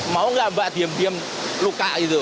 mau nggak mbak diem diem luka gitu